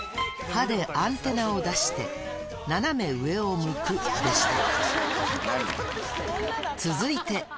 歯でアンテナを出して、斜め上を向くでした。